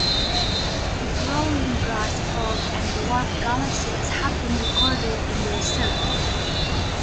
The growling grass frog and dwarf galaxias have been recorded in the reserve.